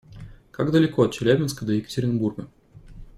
Как далеко от Челябинска до Екатеринбурга?